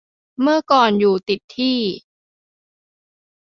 เมื่อก่อนอยู่ติดที่